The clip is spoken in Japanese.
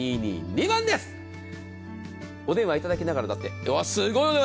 お電話いただきながらすごいわ。